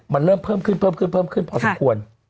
มันเริ่มเพิ่มขึ้นพอสมควร